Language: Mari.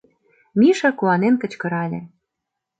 — Миша куанен кычкырале.